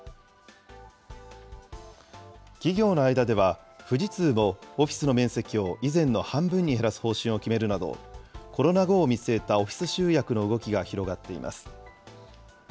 企業の間では、富士通も、オフィスの面積を以前の半分に減らす方針を決めるなど、コロナ後を見据えたオフィス集約の動きが広がっています。